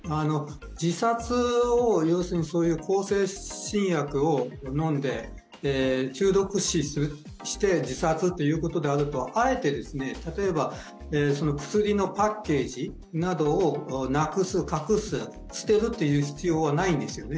自殺をそういう向精神薬を飲んで中毒死して、自殺ということであると、あえて例えば薬のパッケージなどをなくす、隠す、捨てるっていう必要はないんですよね。